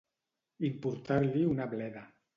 Importar-li una bleda.